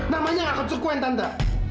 namanya nggak kecekuin tante